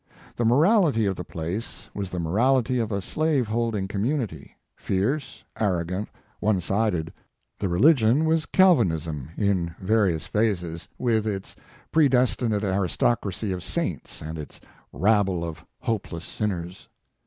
The morality of the place was the morality of a slave holding community, fierce, arrogant, onesided; the religion W as Galvanism in various phases, with 1 8 Mark Twain its predestinate aristocracy of saints and its rabble of hopeless sinners.